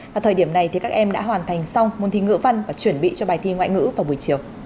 và thời điểm này thì các em đã hoàn thành xong môn thi ngữ văn và chuẩn bị cho bài thi ngoại ngữ vào buổi chiều